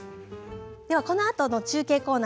このあとの中継コーナー